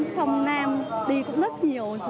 trong nam đi cũng rất nhiều